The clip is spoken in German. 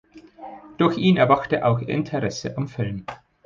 Durch ihn erwachte auch ihr Interesse am Film.